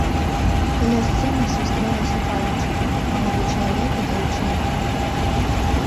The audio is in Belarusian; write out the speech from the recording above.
Каля сцэны сустрэлася парачка, малады чалавек і дзяўчына.